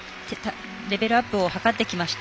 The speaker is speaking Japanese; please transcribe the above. レベルアップを図ってきました。